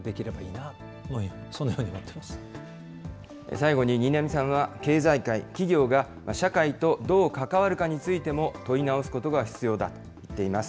最後に新浪さんは、経済界、企業が社会とどう関わるかについても問い直すことが必要だとしています。